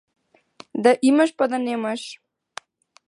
Да имаш па да немаш.